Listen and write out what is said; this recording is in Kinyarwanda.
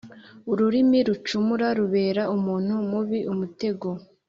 ururimi rucumura rubera umuntu mubi umutego,